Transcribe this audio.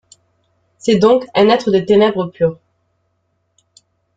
C'est donc un être de ténèbres pures.